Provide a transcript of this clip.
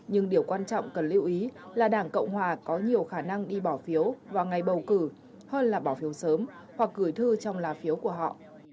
nhưng điều quan trọng cần lưu ý là đảng cộng hòa có nhiều khả năng đi bỏ phiếu vào ngày bầu cử hơn là bỏ phiếu sớm hoặc gửi thư trong lá phiếu của họ